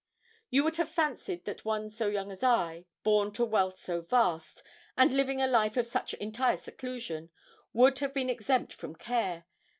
You would have fancied that one so young as I, born to wealth so vast, and living a life of such entire seclusion, would have been exempt from care.